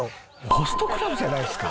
ホストクラブじゃないですか。